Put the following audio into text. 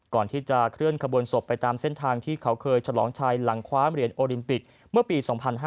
ก่อนที่จะเคลื่อนขบวนศพไปตามเส้นทางที่เขาเคยฉลองชัยหลังคว้าเหรียญโอลิมปิกเมื่อปี๒๕๕๙